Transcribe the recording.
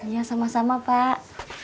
ya sama sama pak